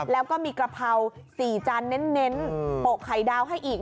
แล้วก็มีกระเพรา๔จานเน้นปกไข่ดาวให้อีก